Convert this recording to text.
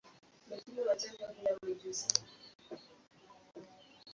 Kati ya desturi ni mikutano, kusikia mashairi juu ya maisha ya mtume a mengine.